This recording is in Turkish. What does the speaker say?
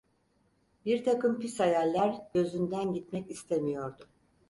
Birtakım pis hayaller gözünden gitmek istemiyordu.